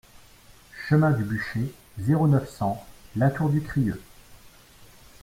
Chemin du Bûcher, zéro neuf, cent La Tour-du-Crieu